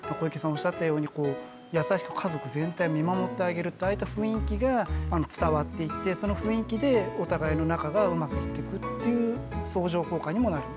おっしゃったように優しく家族全体を見守ってあげるああいった雰囲気が伝わっていってその雰囲気でお互いの仲がうまくいってくっていう相乗効果にもなるとは思います。